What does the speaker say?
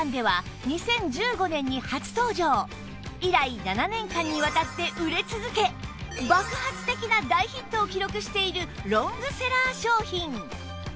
以来７年間にわたって売れ続け爆発的な大ヒットを記録しているロングセラー商品